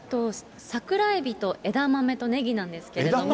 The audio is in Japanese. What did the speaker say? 桜えびと枝豆とねぎなんですけれども。